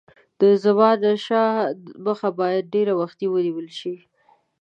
د زمانشاه مخه باید ډېر وختي ونیوله شي.